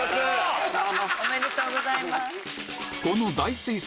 おめでとうございます。